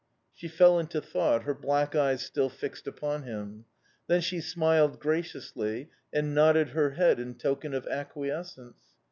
"She fell into thought, her black eyes still fixed upon him. Then she smiled graciously and nodded her head in token of acquiescence.